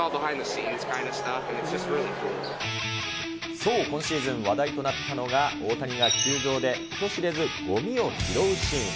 そう、今シーズン話題となったのが、大谷が球場で人知れずごみを拾うシーン。